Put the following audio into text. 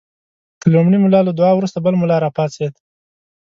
د لومړي ملا له دعا وروسته بل ملا راپاڅېد.